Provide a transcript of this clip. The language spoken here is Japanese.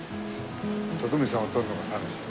徳光さんを撮るのが楽しみ。